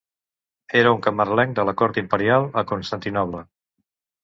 Era un camarlenc de la cort imperial a Constantinoble.